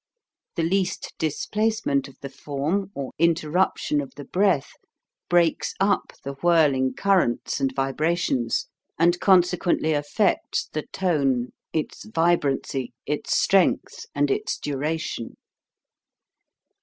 The least dis placement of the form or interruption of the breath breaks up the whirling currents and vibrations, and consequently affects the tone, its vibrancy, its strength, and its duration.